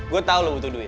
gue tahu lo butuh duit